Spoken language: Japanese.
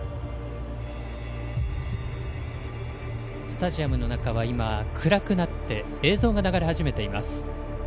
スタジアムの中は暗くなって映像が流れ始めています。